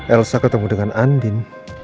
elsa ketemu dengan andin